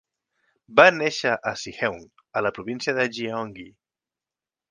Va néixer a Siheung, a la província de Gyeonggi.